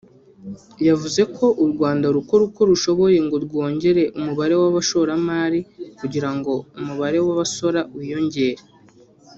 yavuze ko u Rwanda rukora uko rushoboye ngo rwongere umubare w’abashoramari kugira umubare w’abasora wiyongere